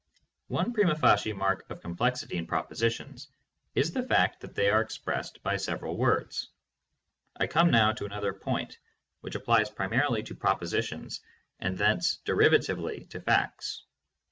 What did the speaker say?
One prima facie mark of complexity in propositions is the fact that they are expressed by several words. I come now to another point, which applies primarily to proposi tions and thence derivatively to facts.